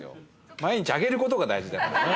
毎日上げることが大事だからね。